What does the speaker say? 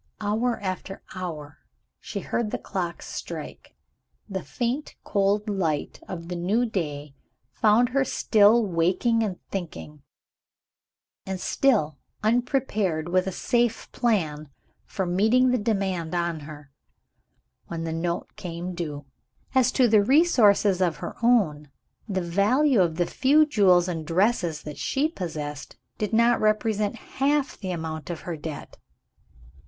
Hour after hour she heard the clock strike. The faint cold light of the new day found her still waking and thinking, and still unprepared with a safe plan for meeting the demand on her, when the note became due. As to resources of her own, the value of the few jewels and dresses that she possessed did not represent half the amount of her debt.